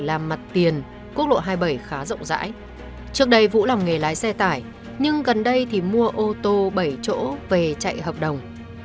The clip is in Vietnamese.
lúc đấy vũ làm nghề lái xe tải nhưng gần đây thì mua ô tô bảy chỗ về chạy hợp đồng